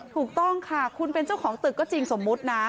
ถูกต้องค่ะคุณเป็นเจ้าของตึกก็จริงสมมุตินะ